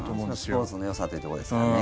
スポーツのよさというところですかね。